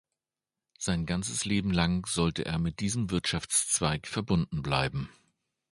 Sein ganzes Leben lang sollte er mit diesem Wirtschaftszweig verbunden bleiben.